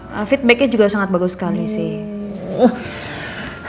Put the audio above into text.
nah feedbacknya juga sangat bagus sekali sih